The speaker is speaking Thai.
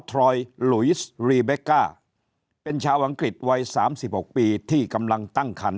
ทรอยหลุยสรีเบกก้าเป็นชาวอังกฤษวัย๓๖ปีที่กำลังตั้งคัน